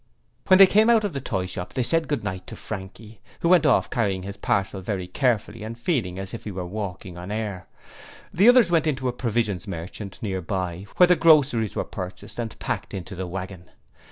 When they came out of the toy shop they said 'Good night' to Frankie, who went off carrying his parcel very carefully and feeling as if he were walking on air. The others went into a provision merchant's near by, where the groceries were purchased and packed into the waggon.